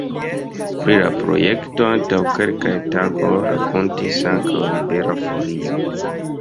Pri la projekto antaŭ kelkaj tagoj rakontis ankaŭ Libera Folio.